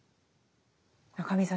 中見さん